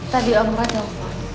tadi om radha telfon